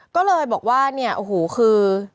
ก็เลยบอกว่าเนี่ยโอ้โหคือ